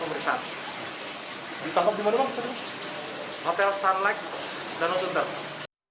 ketua perangkat tersebut berkata bahwa mereka akan menjalani pemeriksaan di perangkat tersebut